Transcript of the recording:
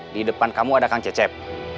di depan kamu ada kang cecep